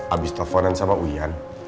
abis teleponan sama wian